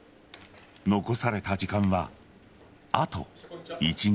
残された時間はあと１日。